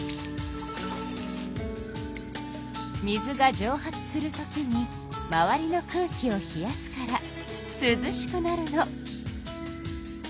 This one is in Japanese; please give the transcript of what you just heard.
水がじょう発する時に周りの空気を冷やすからすずしくなるの。